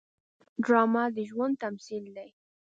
ډرامه د ژوند تمثیل دی